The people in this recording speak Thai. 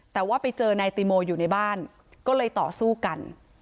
แต่ว่าไปเจอนายติโมอยู่ในบ้านก็เลยต่อสู้กัน